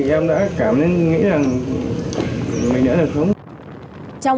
em đã cảm thấy nghĩ rằng mình đã được sống